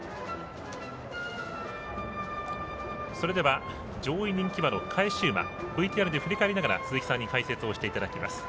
それでは上位人気馬の返し馬、ＶＴＲで振り返りながら鈴木さんに解説をしていただきます。